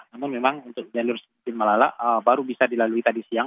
namun memang untuk jalur tim malala baru bisa dilalui tadi siang